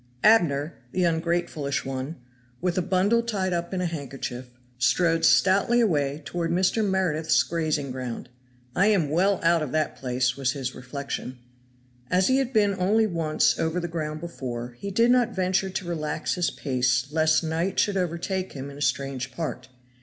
Abner, the ungratefulish one, with a bundle tied up in a handkerchief, strode stoutly away toward Mr. Meredith's grazing ground. "I am well out of that place," was his reflection. As he had been only once over the ground before, he did not venture to relax his pace lest night should overtake him in a strange part.